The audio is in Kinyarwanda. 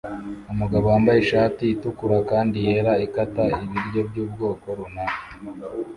Umugabo wambaye ishati itukura kandi yera ikata ibiryo byubwoko runaka